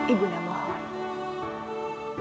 ibu undang mohon